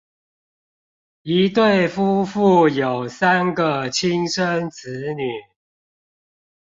一對夫婦有三個親生子女